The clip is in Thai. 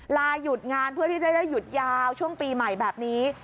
ลาหยุดงานเพื่อที่จะได้หยุดยาวช่วงปีใหม่แบบนี้